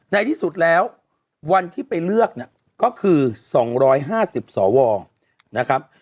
ในที่สุดแล้ววันที่ไปเลือกเนี่ยก็คือ๒๕๐สวนะครับ